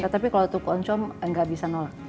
tapi kalau tutuk oncom enggak bisa nolak